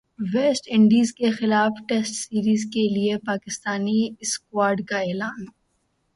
waste انڈیزکےخلاف test series کے لیےپاکستانی اسکواڈ کا اعلان